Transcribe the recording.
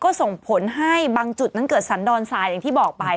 ก็ส่งผลให้บางจุดนั้นเกิดสันดอนทรายอย่างที่บอกไป